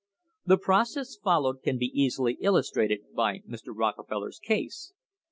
The pro cess followed can be easily illustrated by Mr. Rockefeller's case.